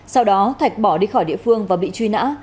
sau đó thạch bỏ đi khỏi địa phương và bị truy nã